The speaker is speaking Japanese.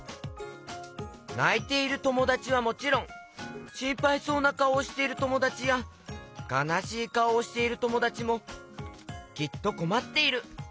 ないているともだちはもちろんしんぱいそうなかおをしているともだちやかなしいかおをしているともだちもきっとこまっている。